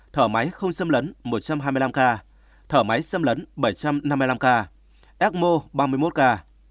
thở máy không xâm lấn một trăm hai mươi năm ca thở máy xâm lấn bảy trăm năm mươi năm ca ecmo ba mươi một ca